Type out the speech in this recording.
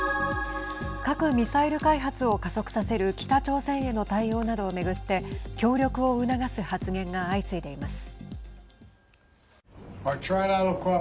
核・ミサイル開発を加速させる北朝鮮への対応などを巡って協力を促す発言が相次いでいます。